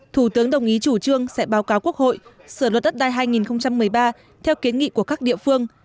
thủ tướng đồng ý chủ trương sẽ báo cáo quốc hội sửa luật đất đai hai nghìn một mươi ba theo kiến nghị của các địa phương